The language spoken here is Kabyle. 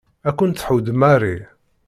Ad ken-tḥudd Mary.